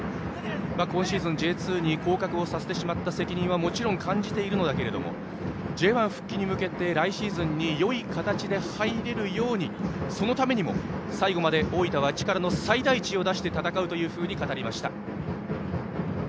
今シーズンＪ２に降格をさせてしまった責任はもちろん感じているけれどもＪ１復帰に向けて、来シーズンによい形で入れるようにそのためにも最後まで大分は力の最大値を出して戦うというふうに語りました。